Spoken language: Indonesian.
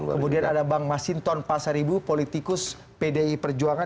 kemudian ada bang masinton pasaribu politikus pdi perjuangan